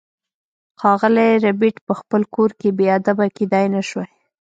ښاغلی ربیټ په خپل کور کې بې ادبه کیدای نشوای